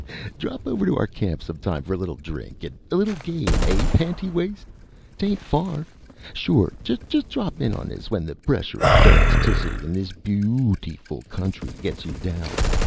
"... Haw haw haw! Drop over to our camp sometime for a little drink, and a little game, eh, pantywaist? Tain't far. Sure just drop in on us when the pressure of domesticity in this beootiful country gets you down....